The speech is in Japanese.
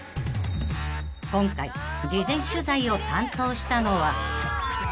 ［今回事前取材を担当したのは］